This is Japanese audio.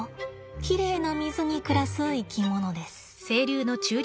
きれいな水に暮らす生き物です。